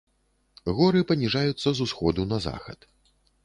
Горы паніжаюцца з усходу на захад.